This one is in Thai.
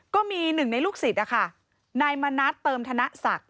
ก็มีหนึ่งในลูกศิษย์นะคะนายมณัฐเติมธนศักดิ์